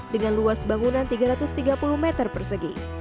dengan luas bangunan tiga ratus tiga puluh meter persegi